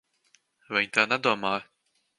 Viņa tā nedomāja.